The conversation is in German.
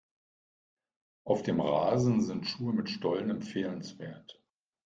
Auf dem Rasen sind Schuhe mit Stollen empfehlenswert.